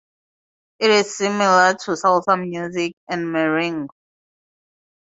It is similar to salsa music and merengue.